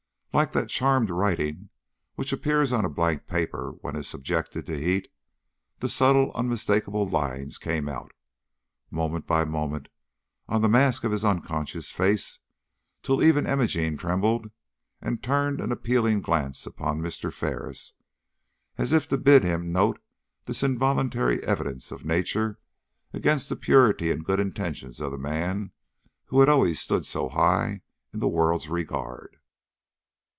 Like that charmed writing which appears on a blank paper when it is subjected to the heat, the subtle, unmistakable lines came out, moment by moment, on the mask of his unconscious face, till even Imogene trembled, and turned an appealing glance upon Mr. Ferris, as if to bid him note this involuntary evidence of nature against the purity and good intentions of the man who had always stood so high in the world's regard.